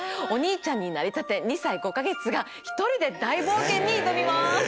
お兄ちゃんになりたて２歳５か月が一人で大冒険に挑みます。